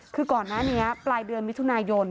คือก่อนหน้านี้ปลายเดือนมิถุนายน